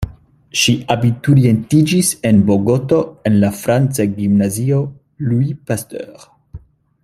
Ŝi abiturientiĝis en Bogoto en la franca gimnazio "Louis Pasteur".